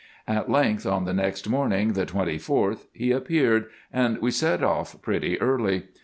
At length, on the next morning, the 24th, he appeared, and we set off pretty early.